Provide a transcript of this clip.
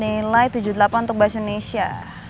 nilai tujuh puluh delapan untuk bahasa indonesia